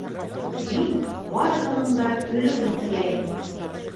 Мин барыһының да көлөүен теләйем.